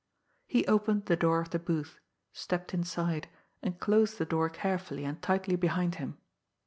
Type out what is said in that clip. He opened the door of the booth, stepped inside, and closed the door carefully and tightly behind him.